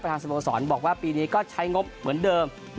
ทางสโมสรบอกว่าปีนี้ก็ใช้งบเหมือนเดิม